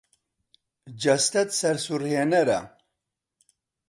جەستەت سەرسوڕهێنەرە.